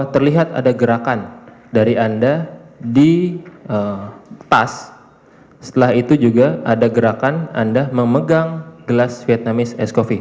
terlihat ada gerakan dari anda di pas setelah itu juga ada gerakan anda memegang gelas vietnamese ice coffee